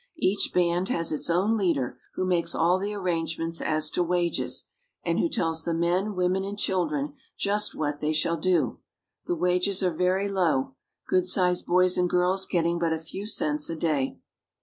Each band has its own leader, who makes all the arrangements as to wages, and who tells the men, women, and children just what they shall do. The wages are very low, good sized boys and girls getting but a few cents a day.